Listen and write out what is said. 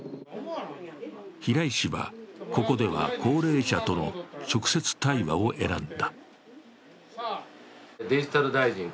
平井氏は、ここでは高齢者との直接対話を選んだ。